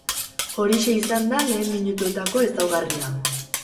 Horixe izan da lehen minutuetako ezaugarria.